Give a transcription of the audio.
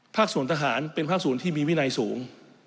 ภาคศูนย์ทหารเป็นภาคศูนย์ที่มีวินัยสูง